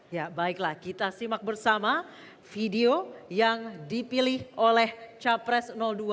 ya baiklah kita simak bersama video yang dipilih oleh capres dua